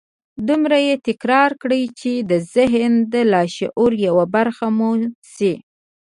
دومره يې تکرار کړئ چې د ذهن د لاشعور يوه برخه مو شي.